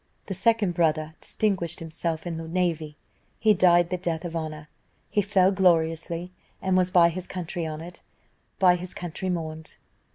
"The second brother distinguished himself in the navy; he died the death of honour; he fell gloriously, and was by his country honoured by his country mourned.